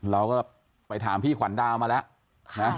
เราก็ไปถามพี่ขวัญดาวมาแล้วนะ